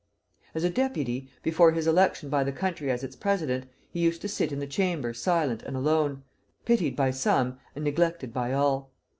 As a deputy, before his election by the country as its president, he used to sit in the Chamber silent and alone, pitied by some, and neglected by all.